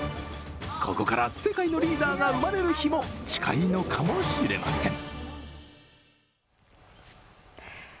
ここから世界のリーダーが生まれる日も近いのかもしれません。